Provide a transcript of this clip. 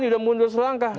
sudah mundur selangkah